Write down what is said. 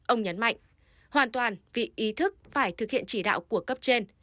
ông nhấn mạnh hoàn toàn vì ý thức phải thực hiện chỉ đạo của cấp trên